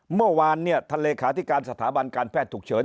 เมื่อวานเนี่ยท่านเลขาธิการสถาบันการแพทย์ฉุกเฉิน